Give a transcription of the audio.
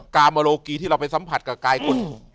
กาโมโลกีที่เราไปสัมผัสกับกายคุณ